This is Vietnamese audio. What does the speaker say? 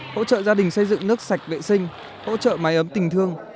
hỗ trợ gia đình xây dựng nước sạch vệ sinh hỗ trợ máy ấm tình thương